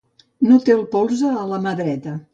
No té el polze a la mà dreta.